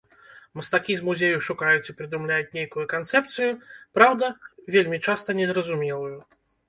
Мастакі з музею шукаюць і прыдумляюць нейкую канцэпцыю, праўда, вельмі часта незразумелую.